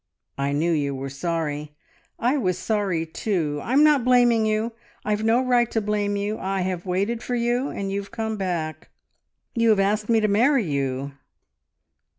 "I knew you were sorry. I was sorry, too. ... I'm not blaming you. I've no right to blame you. I have waited for you, and you've come back. You have asked me to marry you.